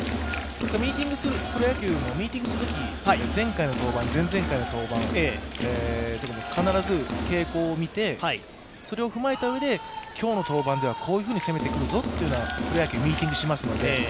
プロ野球もミーティングするとき、前回の登板、前々回の登板、それを踏まえたうえで今日の登板ではこういうふうに攻めてくるぞとプロ野球はミーティングしますので。